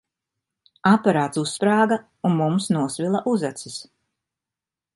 Aparāts uzsprāga, un mums nosvila uzacis.